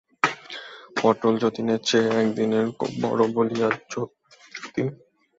পটল যতীনের চেয়ে একদিনের বড়ো বলিয়া যতীন তাহার প্রতি কোনোপ্রকার সামাজিক সম্মান দেখাইতে নারাজ।